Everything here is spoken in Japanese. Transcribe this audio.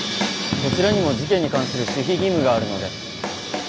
こちらにも事件に関する守秘義務があるので。